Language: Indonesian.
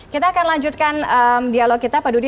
kita akan lanjutkan dialog kita pak dudi